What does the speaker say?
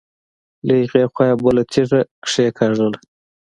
له هغې خوا يې بله تيږه کېکاږله.